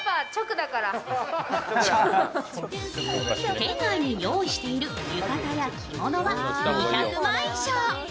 店内に用意している浴衣や着物は２００枚以上。